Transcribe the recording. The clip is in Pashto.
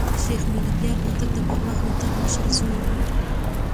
شېخ ملکیار هوتک د بابا هوتک مشر زوى وو.